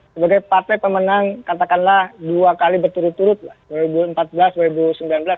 sebagai partai pemenang katakanlah dua kali berturut turut lah